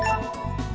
làm sáng tỏ